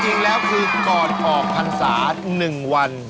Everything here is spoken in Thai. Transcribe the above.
จริงแล้วคือก่อนออกพรรษา๑วัน